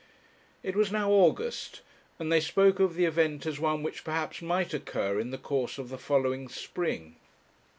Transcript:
It was now August, and they spoke of the event as one which perhaps might occur in the course of the following spring.